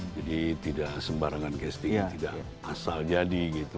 jadi tidak sembarangan casting tidak asal jadi gitu